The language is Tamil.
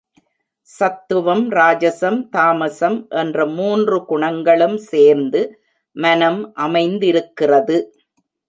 சத்துவம் ராஜசம், தாமசம் என்ற மூன்று குணங்களும் சேர்ந்து மனம் அமைந்திருக்கிறது.